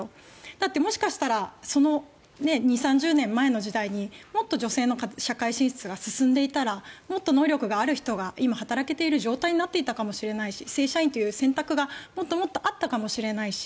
だってもしかしたらその２０３０年前の時代にもっと女性の社会進出が進んでいたらもっと能力がある人が今、働けている状態になっていたかもしれないし正社員という選択がもっともっとあったかもしれないし